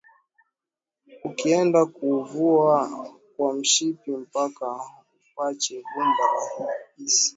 Ukienenda kuvua kwa nshipi mpaka upache vumba la isi